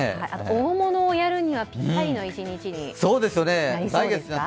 大物をやるにはぴったりの一日になりそうですか。